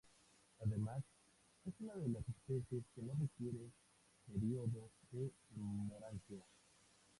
Además, es una de las especies que no requiere periodo de dormancia.